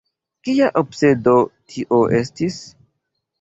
Kia obsedo tio estis?